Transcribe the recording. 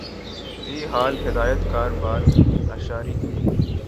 یہی حال ہدایت کار بلال لاشاری کی